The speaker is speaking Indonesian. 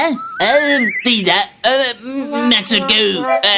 huh tidak maksudku